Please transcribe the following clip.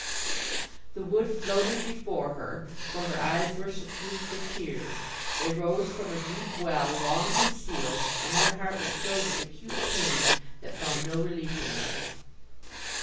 The wood floated before her, for her eyes were suffused with tears. They rose from a deep well, long concealed, and her heart was filled with acute pain that found no relief in them.